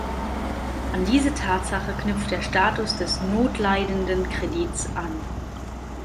An diese Tatsache knüpft der Status des notleidenden Kredits an.